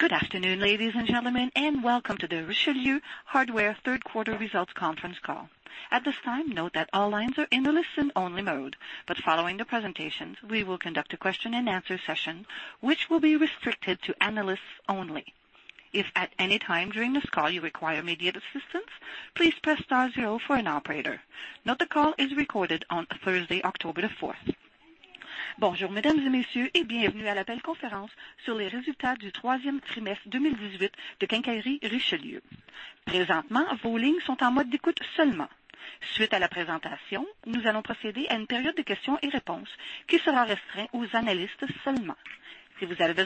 Good afternoon, ladies and gentlemen, and welcome to the Richelieu Hardware third quarter results conference call. At this time, note that all lines are in listen-only mode, but following the presentations, we will conduct a question and answer session which will be restricted to analysts only. If at any time during this call you require immediate assistance, please press star zero for an operator. Note the call is recorded on Thursday, October the 4th. Merci. Thank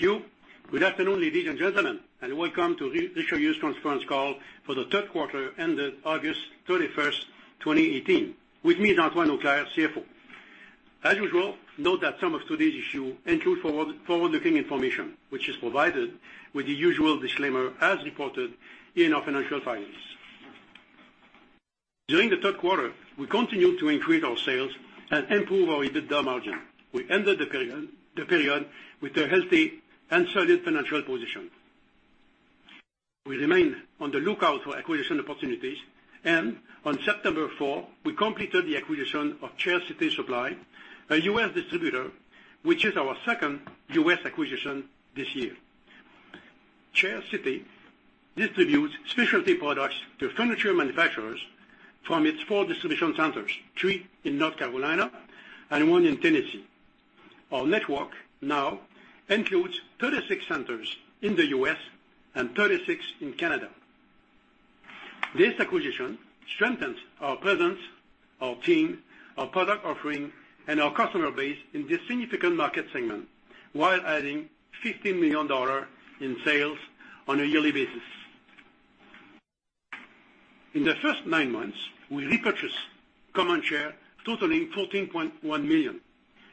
you. Good afternoon, ladies and gentlemen, and welcome to Richelieu's conference call for the third quarter ended August 31st, 2018. With me is Antoine Auclair, CFO. As usual, note that some of today's issue include forward-looking information, which is provided with the usual disclaimer as reported in our financial filings. During the third quarter, we continued to increase our sales and improve our EBITDA margin. We ended the period with a healthy and solid financial position. We remain on the lookout for acquisition opportunities, and on September 4, we completed the acquisition of Chair City Supply, a U.S. distributor, which is our second U.S. acquisition this year. Chair City distributes specialty products to furniture manufacturers from its four distribution centers, three in North Carolina and one in Tennessee. Our network now includes 36 centers in the U.S. and 36 in Canada. This acquisition strengthens our presence, our team, our product offering, and our customer base in this significant market segment while adding 15 million dollars in sales on a yearly basis. In the first nine months, we repurchased common share totaling 14.1 million,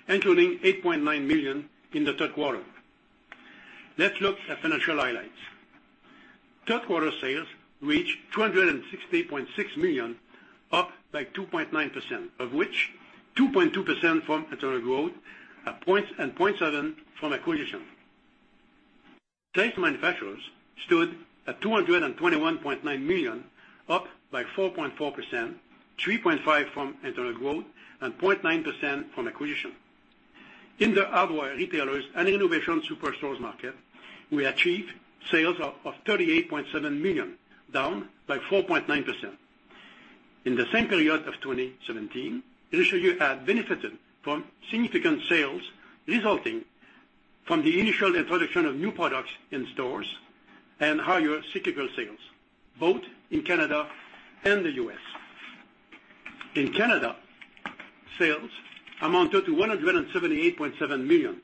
including 8.9 million in the third quarter. Let's look at financial highlights. Third quarter sales reached 260.6 million, up by 2.9%, of which 2.2% from internal growth and 0.7% from acquisition. Sales to manufacturers stood at 221.9 million, up by 4.4%, 3.5% from internal growth, and 0.9% from acquisition. In the hardware retailers and renovation superstores market, we achieved sales of 38.7 million, down by 4.9%. In the same period of 2017, Richelieu had benefited from significant sales resulting from the initial introduction of new products in stores and higher cyclical sales, both in Canada and the U.S. In Canada, sales amounted to 178.7 million,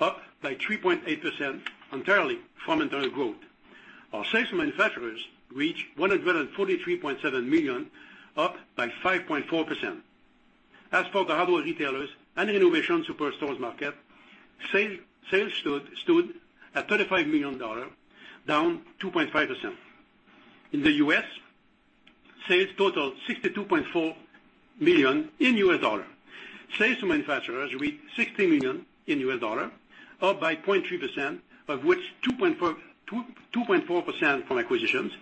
up by 3.8% entirely from internal growth. Our sales to manufacturers reached 143.7 million, up by 5.4%. As for the hardware retailers and renovation superstores market, sales stood at 35 million dollars, down 2.5%. In the U.S., sales totaled $62.4 million in U.S. dollars. Sales to manufacturers reached $60 million in U.S. dollars, up by 0.3%, of which 2.4% from acquisitions,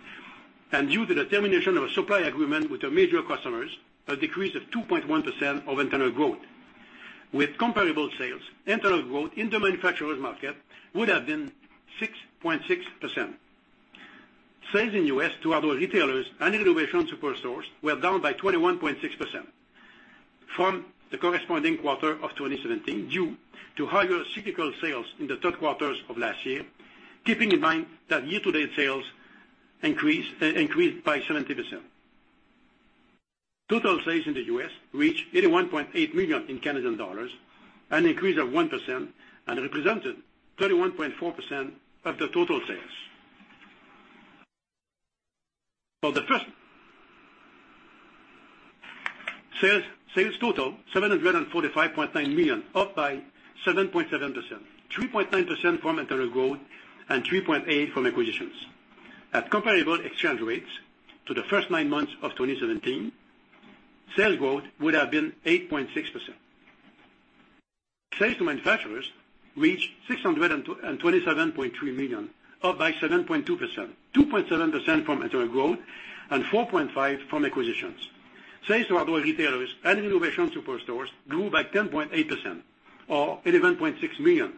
and due to the termination of a supply agreement with their major customers, a decrease of 2.1% of internal growth. With comparable sales, internal growth in the manufacturer's market would have been 6.6%. Sales in U.S. to hardware retailers and renovation superstores were down by 21.6% from the corresponding quarter of 2017 due to higher cyclical sales in the third quarters of last year. Keeping in mind that year-to-date sales increased by 17%. Total sales in the U.S. reached 81.8 million in Canadian dollars, an increase of 1% and represented 31.4% of the total sales. For the first, sales totaled 745.9 million, up by 7.7%, 3.9% from internal growth and 3.8% from acquisitions. At comparable exchange rates to the first nine months of 2017, sales growth would have been 8.6%. Sales to manufacturers reached 627.3 million, up by 7.2%, 2.7% from internal growth and 4.5% from acquisitions. Sales to hardware retailers and renovation superstores grew by 10.8% or 11.6 million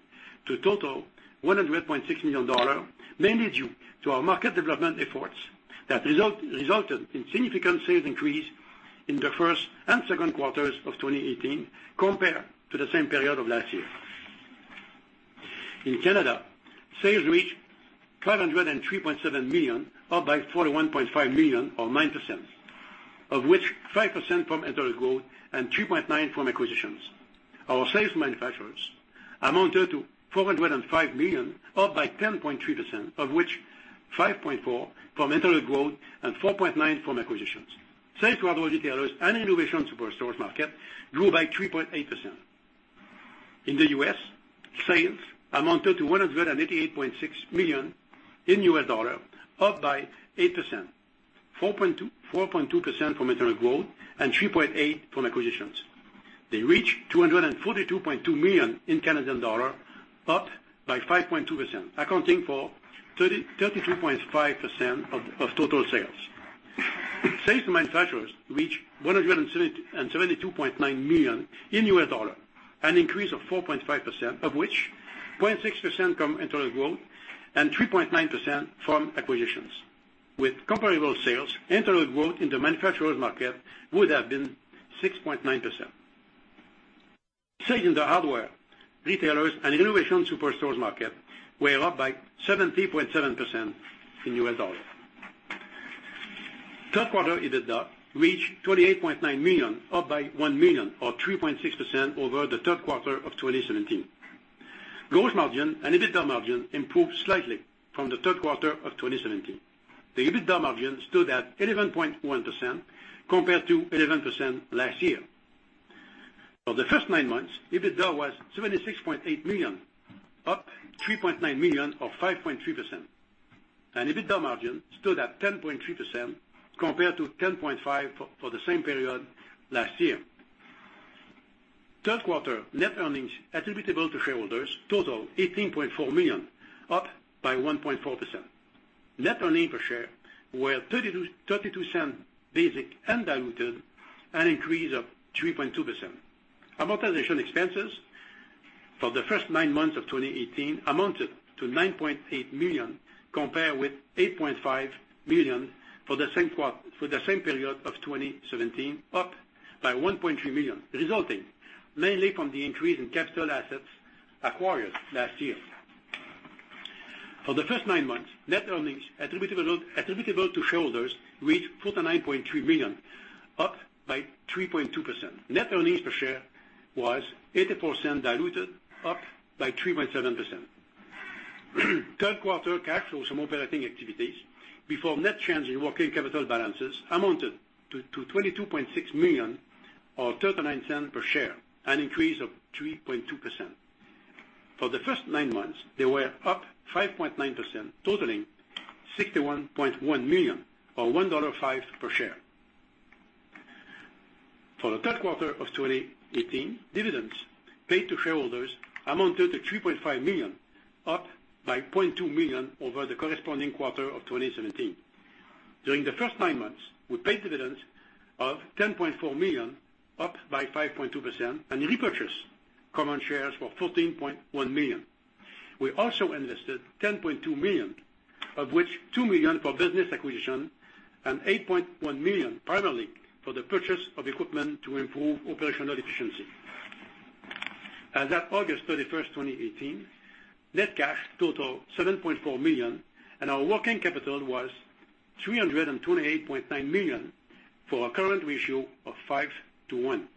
to a total 100.6 million dollars, mainly due to our market development efforts that resulted in significant sales increase in the first and second quarters of 2018 compared to the same period of last year. In Canada, sales reached 503.7 million, up by 41.5 million or 9%, of which 5% from internal growth and 2.9% from acquisitions. Our sales to manufacturers amounted to 405 million, up by 10.3%, of which 5.4% from internal growth and 4.9% from acquisitions. Sales to other retailers and renovation superstores market grew by 3.8%. In the U.S., sales amounted to $188.6 million, up by 8%, 4.2% from internal growth and 3.8% from acquisitions. They reached 242.2 million in Canadian dollars, up by 5.2%, accounting for 33.5% of total sales. Sales to manufacturers reached $172.9 million in U.S. dollars, an increase of 4.5%, of which 0.6% from internal growth and 3.9% from acquisitions. With comparable sales, internal growth in the manufacturer's market would have been 6.9%. Sales in the hardware, retailers, and renovation superstores market were up by 17.7% in U.S. dollars. Third quarter EBITDA reached 28.9 million, up by 1 million or 3.6% over the third quarter of 2017. Gross margin and EBITDA margin improved slightly from the third quarter of 2017. The EBITDA margin stood at 11.1% compared to 11% last year. For the first nine months, EBITDA was 76.8 million, up 3.9 million or 5.3%. EBITDA margin stood at 10.3% compared to 10.5% for the same period last year. Third quarter net earnings attributable to shareholders total 18.4 million, up by 1.4%. Net earnings per share were 0.32 basic and diluted, an increase of 3.2%. Amortization expenses for the first nine months of 2018 amounted to 9.8 million, compared with 8.5 million for the same period of 2017, up by 1.3 million, resulting mainly from the increase in capital assets acquired last year. For the first nine months, net earnings attributable to shareholders reached 49.3 million, up by 3.2%. Net earnings per share was 0.80 diluted, up by 3.7%. Third quarter cash flows from operating activities before net change in working capital balances amounted to 22.6 million or 0.39 per share, an increase of 3.2%. For the first nine months, they were up 5.9%, totaling 61.1 million or 1.05 dollar per share. For the third quarter of 2018, dividends paid to shareholders amounted to 3.5 million, up by 0.2 million over the corresponding quarter of 2017. During the first nine months, we paid dividends of 10.4 million, up by 5.2%, and repurchased common shares for 14.1 million. We also invested 10.2 million, of which 2 million for business acquisition and 8.1 million primarily for the purchase of equipment to improve operational efficiency. As at August 31st, 2018, net cash total 7.4 million and our working capital was 328.9 million for a current ratio of 5 to 1.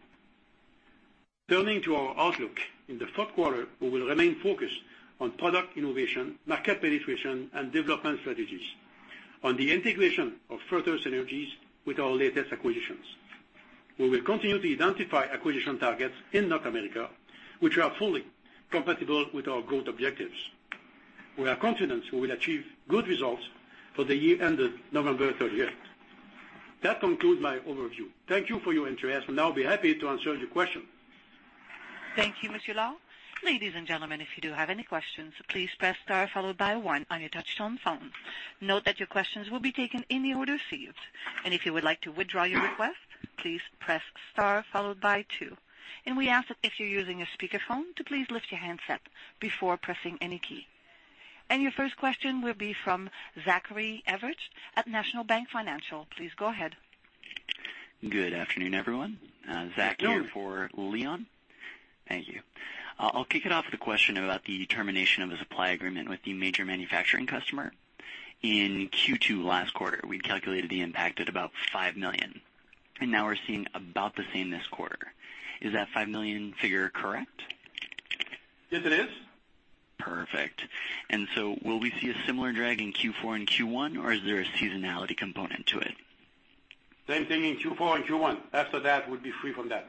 Turning to our outlook. In the fourth quarter, we will remain focused on product innovation, market penetration, and development strategies, on the integration of further synergies with our latest acquisitions. We will continue to identify acquisition targets in North America, which are fully compatible with our growth objectives. We are confident we will achieve good results for the year ended November 30th. That concludes my overview. Thank you for your interest. I'll be happy to answer your questions. Thank you, Mr. Lord. Ladies and gentlemen, if you do have any questions, please press star followed by one on your touch-tone phone. Note that your questions will be taken in the order received. If you would like to withdraw your request, please press star followed by two. We ask that if you're using a speakerphone, to please lift your handset before pressing any key. Your first question will be from Zachary Evershed at National Bank Financial. Please go ahead. Good afternoon, everyone. Zach here for Leon. Good afternoon. Thank you. I'll kick it off with a question about the termination of the supply agreement with the major manufacturing customer. In Q2 last quarter, we calculated the impact at about 5 million. Now we're seeing about the same this quarter. Is that 5 million figure correct? Yes, it is. Perfect. Will we see a similar drag in Q4 and Q1, or is there a seasonality component to it? Same thing in Q4 and Q1. After that, we'll be free from that.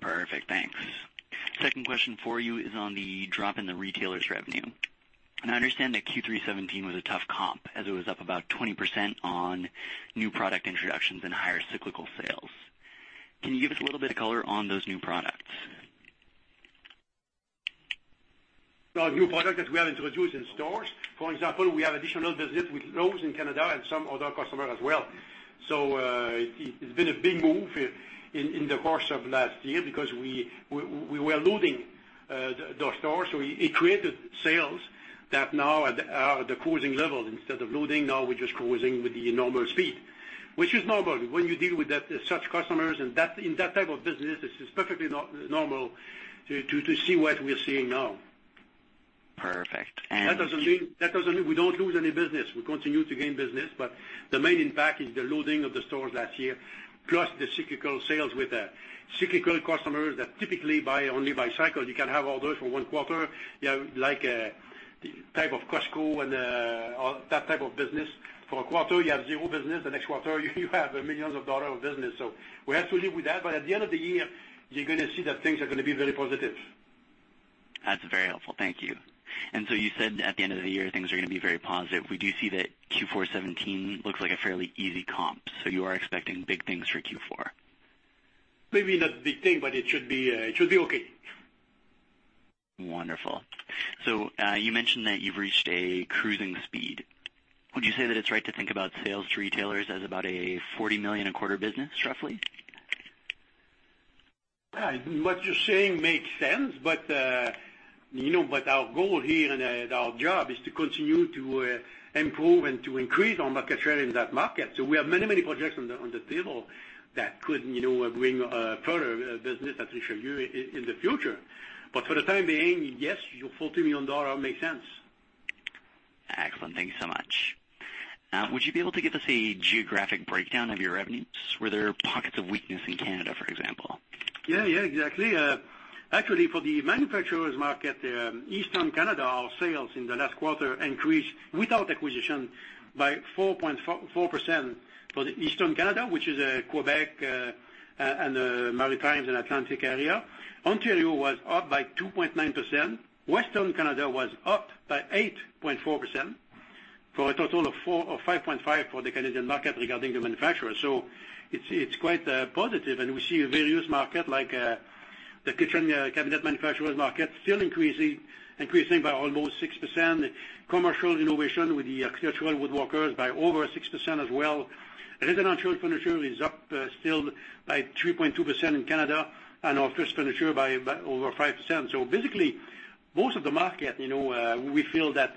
Perfect, thanks. Second question for you is on the drop in the retailers revenue. I understand that Q3 2017 was a tough comp, as it was up about 20% on new product introductions and higher cyclical sales. Can you give us a little bit of color on those new products? New product that we have introduced in stores. For example, we have additional business with Lowe's in Canada and some other customer as well. It's been a big move in the course of last year because we were losing those stores. It created sales that now are the cruising level. Instead of losing, now we're just closing with the normal speed, which is normal. When you deal with such customers in that type of business, it's just perfectly normal to see what we're seeing now. Perfect. That doesn't mean we don't lose any business. We continue to gain business, but the main impact is the losing of the stores last year, plus the cyclical sales with the cyclical customers that typically buy only by cycle. You can have orders for one quarter like the type of Costco and that type of business. For a quarter, you have zero business. The next quarter you have millions of dollars of business. We have to live with that. At the end of the year, you're going to see that things are going to be very positive. That's very helpful. Thank you. You said at the end of the year things are going to be very positive. We do see that Q4 2017 looks like a fairly easy comp. You are expecting big things for Q4? Maybe not big thing, but it should be okay. Wonderful. You mentioned that you've reached a cruising speed. Would you say that it's right to think about sales to retailers as about a 40 million a quarter business, roughly? What you're saying makes sense, our goal here and our job is to continue to improve and to increase our market share in that market. We have many projects on the table that could bring further business at Richelieu in the future. For the time being, yes, your 40 million dollar makes sense. Excellent. Thank you so much. Would you be able to give us a geographic breakdown of your revenues? Were there pockets of weakness in Canada, for example? Yeah, exactly. Actually, for the manufacturer's market, Eastern Canada, our sales in the last quarter increased without acquisition by 4.4% for the Eastern Canada, which is Quebec, and the Maritimes and Atlantic area. Ontario was up by 2.9%. Western Canada was up by 8.4%, for a total of 5.5% for the Canadian market regarding the manufacturer. It's quite positive. We see various market like the kitchen cabinet manufacturers market still increasing by almost 6%. Commercial renovation with the structural woodworkers by over 6% as well. Residential furniture is up still by 3.2% in Canada and office furniture by over 5%. Basically most of the market, we feel that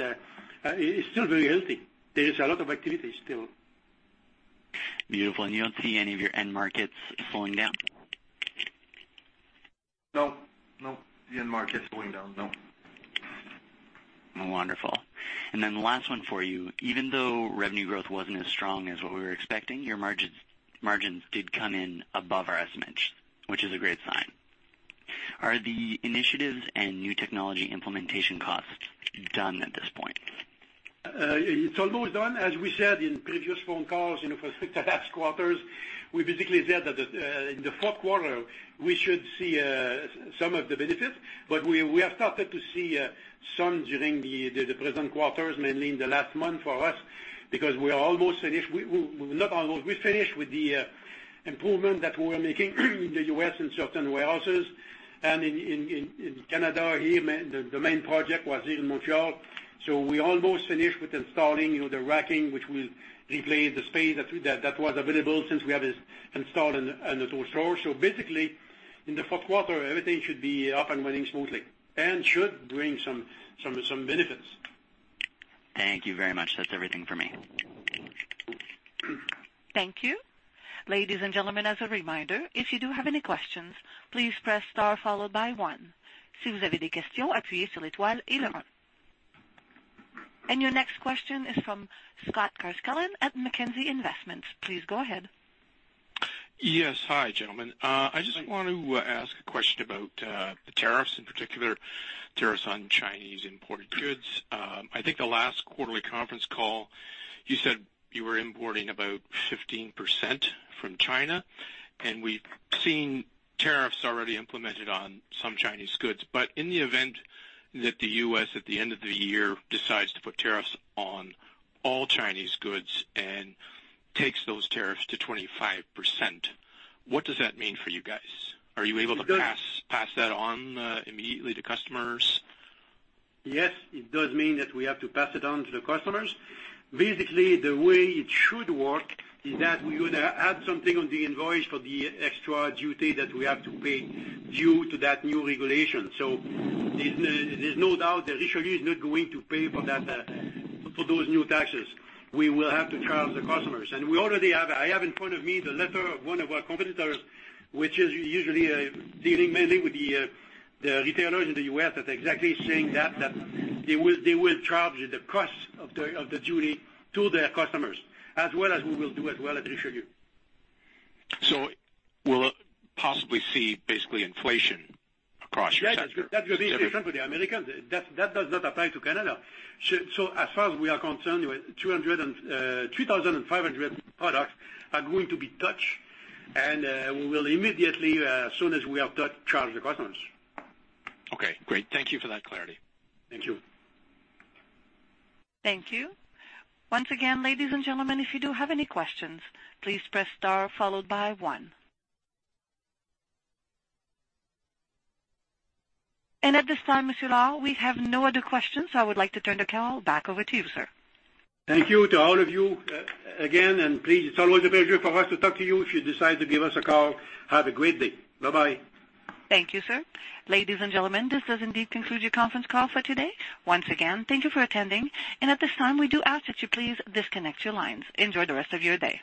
it's still very healthy. There is a lot of activity still. Beautiful. You don't see any of your end markets slowing down? No. The end market's slowing down. No. Wonderful. The last one for you. Even though revenue growth wasn't as strong as what we were expecting, your margins did come in above our estimates, which is a great sign. Are the initiatives and new technology implementation costs done at this point? It's almost done. As we said in previous phone calls for the last quarters, we basically said that in the fourth quarter we should see some of the benefits, but we have started to see some during the present quarters, mainly in the last month for us, because we finished with the improvement that we were making in the U.S. in certain warehouses and in Canada here, the main project was here in Montreal. We almost finished with installing the racking, which will replace the space that was available since we have installed in the AutoStore. Basically in the fourth quarter, everything should be up and running smoothly and should bring some benefits. Thank you very much. That's everything from me. Thank you. Ladies and gentlemen, as a reminder, if you do have any questions, please press star followed by one. Your next question is from Scott Carscallen at Mackenzie Investments. Please go ahead. Yes. Hi, gentlemen. I just want to ask a question about the tariffs, in particular tariffs on Chinese imported goods. I think the last quarterly conference call, you said you were importing about 15% from China, and we've seen tariffs already implemented on some Chinese goods. In the event that the U.S., at the end of the year, decides to put tariffs on all Chinese goods and takes those tariffs to 25%, what does that mean for you guys? Are you able to pass that on immediately to customers? Yes. It does mean that we have to pass it on to the customers. Basically, the way it should work is that we would add something on the invoice for the extra duty that we have to pay due to that new regulation. There's no doubt that Richelieu Hardware is not going to pay for those new taxes. We will have to charge the customers. I have in front of me the letter of one of our competitors, which is usually dealing mainly with the retailers in the U.S. that are exactly saying that, they will charge the cost of the duty to their customers, as well as we will do at Richelieu Hardware. We'll possibly see basically inflation across your sector. That will be inflation for the Americans. That does not apply to Canada. As far as we are concerned, 3,500 products are going to be touched, and we will immediately, as soon as we have touched, charge the customers. Okay, great. Thank you for that clarity. Thank you. Thank you. Once again, ladies and gentlemen, if you do have any questions, please press star followed by one. At this time, Monsieur Lord, we have no other questions. I would like to turn the call back over to you, sir. Thank you to all of you again, please, it's always a pleasure for us to talk to you if you decide to give us a call. Have a great day. Bye-bye. Thank you, sir. Ladies and gentlemen, this does indeed conclude your conference call for today. Once again, thank you for attending. At this time, we do ask that you please disconnect your lines. Enjoy the rest of your day.